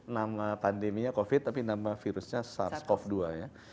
nama pandeminya covid tapi nama virusnya sars cov dua ya